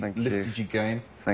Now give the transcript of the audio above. はい。